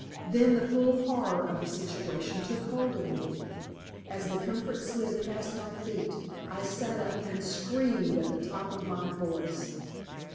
Then the full horror of the situation took hold of me; as the comfort slid past my feet I sat up and screamed at the top of my voice.